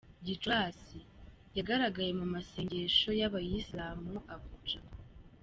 Gicurasi: Yagaragaye mu masengesho y’ abayisilamu Abuja.